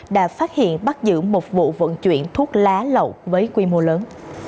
đã phát hiện bắt giữ một vụ vận chuyển thuốc lá lậu với quy mô lớn